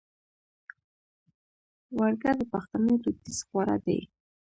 ورږۀ د پښتنو دوديز خواړۀ دي